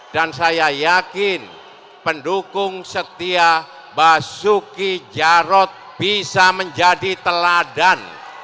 dan saya yakin pendukung setia basuki jarod bisa menjadi teladan